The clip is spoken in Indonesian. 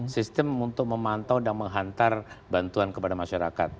sistem untuk memantau dan menghantar bantuan kepada masyarakat